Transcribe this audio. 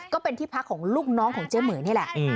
ก็เป็นที่พักของลูกน้องของเจ๊เหมือยนี่แหละ